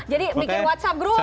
jadi bikin whatsapp group aja